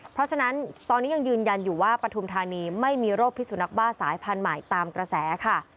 เพราะฉะนั้นตอนนี้ยังยืนยันอยู่ว่าปฐุมธานีไม่มีโรคพิสุนักบ้าสายพันธุ์ใหม่ตามกระแสค่ะ